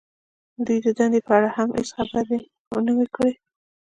دوی د دندې په اړه هم هېڅ خبرې نه وې کړې